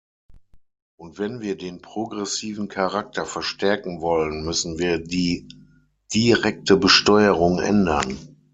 Und wenn wir den progressiven Charakter verstärken wollen, müssen wir die direkte Besteuerung ändern.